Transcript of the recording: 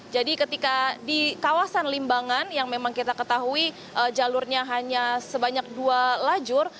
jadi ketika di kawasan limbangan yang memang kita ketahui jalurnya hanya sebanyak dua lajur